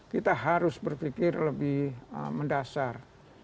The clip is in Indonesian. kita harus berpikir lebih mendasar